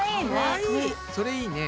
それいいね。